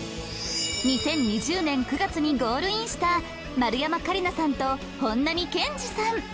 ２０２０年９月にゴールインした丸山桂里奈さんと本並健治さん。